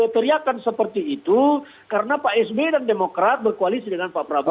teriakan seperti itu karena pak sbe dan demokrat berkoalisi dengan pak prabowo